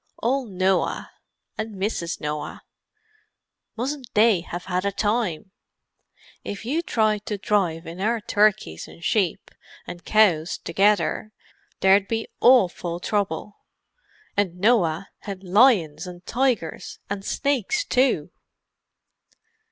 "Ole Noah and Mrs. Noah. Mustn't they have had a time! If you tried to drive in our turkeys an sheep and cows together there'd be awful trouble—and Noah had lions and tigers and snakes too."